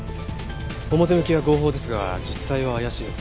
表向きは合法ですが実態は怪しいですね。